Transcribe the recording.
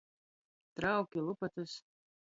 Trauki, lupotys.